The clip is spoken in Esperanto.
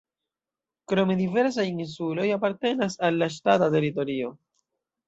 Krome diversaj insuloj apartenas al la ŝtata teritorio.